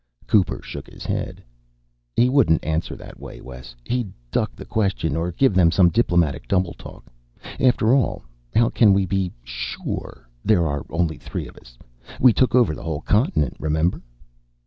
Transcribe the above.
Cooper shook his head. "He wouldn't answer that way, Wes. He'd duck the question or give them some diplomatic double talk. After all, how can we be sure there are only three of us? We took over the whole continent, remember."